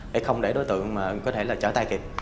để không để đối tượng có thể trở tay kịp